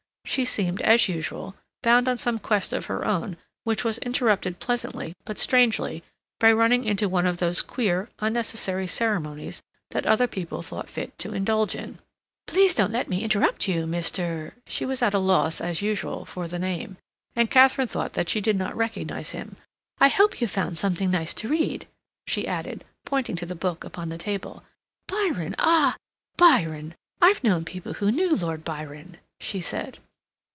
She seemed, as usual, bound on some quest of her own which was interrupted pleasantly but strangely by running into one of those queer, unnecessary ceremonies that other people thought fit to indulge in. "Please don't let me interrupt you, Mr.—" she was at a loss, as usual, for the name, and Katharine thought that she did not recognize him. "I hope you've found something nice to read," she added, pointing to the book upon the table. "Byron—ah, Byron. I've known people who knew Lord Byron," she said.